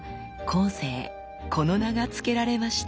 この名が付けられました。